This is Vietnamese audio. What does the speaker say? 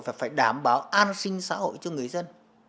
và phải đảm bảo an sinh xã hội cho người dân